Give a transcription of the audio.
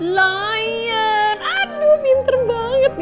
lion aduh pinter banget